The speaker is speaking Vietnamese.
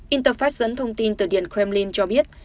interfax dẫn thông tin từ điện kremlin cho biết